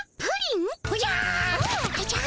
おじゃあ！